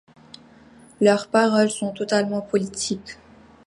Leurs paroles sont totalement politiques.